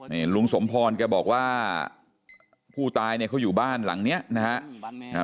นี่ลุงสมพรแกบอกว่าผู้ตายเนี่ยเขาอยู่บ้านหลังเนี้ยนะฮะ